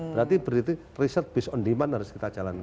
berarti berarti riset based on demand harus kita jalani